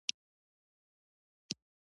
ښه اخلاق د ایمان ښکارندویي کوي.